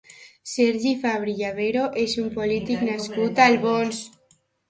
Sergi Fabri Llavero és un polític nascut a Albons.